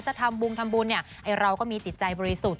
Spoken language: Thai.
จะทำบุญทำบุญเราก็มีจิตใจบริสุทธิ์